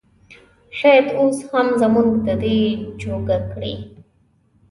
شايد اوس هم مونږ د دې جوګه کړي